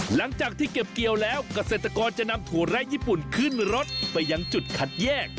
หลังจากที่เก็บเกี่ยวแล้วเกษตรกรจะนำถั่วไร้ญี่ปุ่นขึ้นรถไปยังจุดคัดแยก